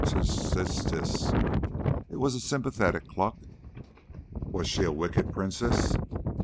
"Tse! Tse! Tse!" It was a sympathetic cluck. "Was she a wicked princess?"